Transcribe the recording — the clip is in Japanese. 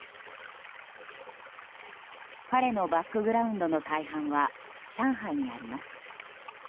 彼のバックグラウンドの大半は上海にあります。